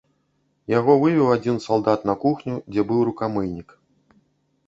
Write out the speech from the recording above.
Яго вывеў адзін салдат на кухню, дзе быў рукамыйнік.